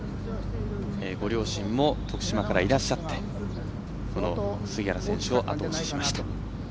ご両親も徳島からいらっしゃって杉原選手を後押ししました。